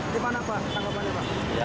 di mana pak tanggapannya pak